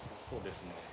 そうですね。